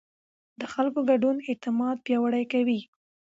د خلکو ګډون اعتماد پیاوړی کوي